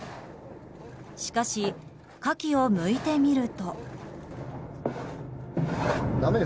しかし、カキをむいてみると。